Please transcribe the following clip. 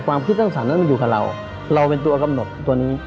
ความคิดสร้างสรรค์นั้นมันอยู่กับเราเราเป็นตัวกำหนดตัวนี้